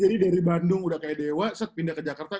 jadi dari bandung udah kayak dewa set pindah ke jakarta